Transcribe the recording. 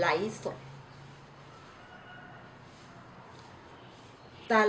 แล้วบอกว่าไม่รู้นะ